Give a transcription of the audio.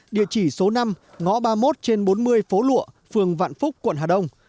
địa chỉ số năm ngõ ba mươi một trên bốn mươi phố lụa phường vạn phúc quận hà đông